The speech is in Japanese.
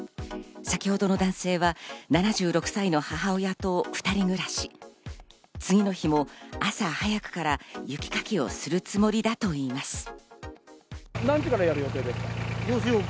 先ほどの男性は７６歳の母親と２人暮らし、次の日も朝早くから雪かきをするつもりだといいます。